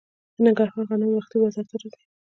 د ننګرهار غنم وختي بازار ته راځي.